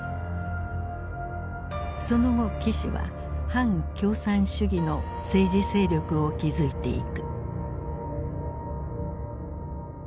その後岸は反共産主義の政治勢力を築いていく。